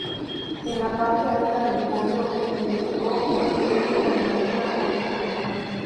En la parte alta del pueblo se edificó una iglesia con la misma advocación.